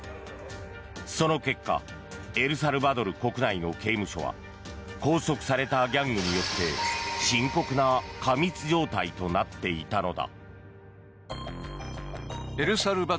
その結果エルサルバドル国内の刑務所は拘束されたギャングによって深刻な過密状態となっていたのだ。